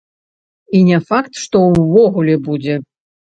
І не факт, што ўвогуле будзе.